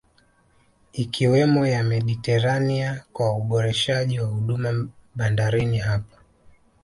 Ikiwemo ya Mediterania kwa uboreshaji wa huduma bandarini hapo